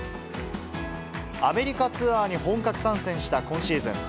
アメリカツアーに本格参戦した今シーズン。